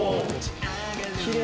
きれい。